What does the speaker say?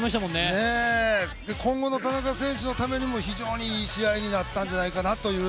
今後の田中選手のためにも、非常にいい試合になったんじゃないかなという。